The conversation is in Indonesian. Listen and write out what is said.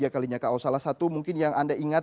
tiga kalinya ko salah satu mungkin yang anda ingat